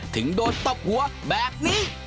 ถึงโดนตบหัวแบบนี้